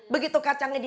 begitu kacangnya dimakan